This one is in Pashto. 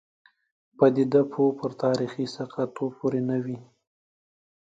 پدیده پوه پر تاریخي ثقه توب پورې نه وي.